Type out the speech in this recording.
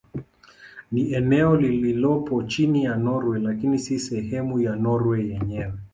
Ni eneo lililopo chini ya Norwei lakini si sehemu ya Norwei yenyewe.